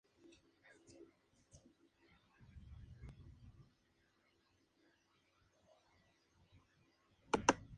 Durante algunos años prestó servicios en la guarnición de la ciudad de Rosario.